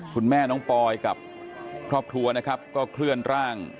คุณแม่น้องปอยกับครอบครัวนะครับก็เคลื่อนร่าง